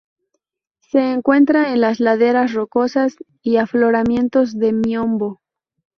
Se encuentra en las laderas rocosas y afloramientos de miombo.